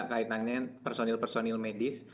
kaitannya personil personil medis